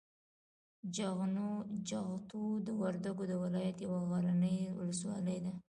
جغتو د وردګو د ولایت یوه غرنۍ ولسوالي ده.